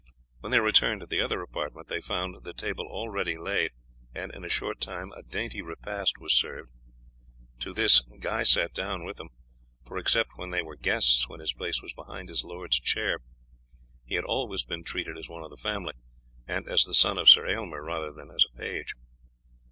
When they returned to the other apartment they found the table already laid, and in a short time a dainty repast was served. To this Guy sat down with them, for except when there were guests, when his place was behind his lord's chair, he had always been treated as one of the family, and as the son of Sir Aylmer rather than as a page.